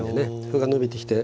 歩が伸びてきて。